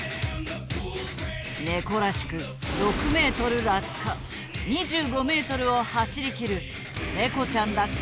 ネコらしく６ｍ落下２５ｍを走りきる「ネコちゃん落下２５ｍ走」。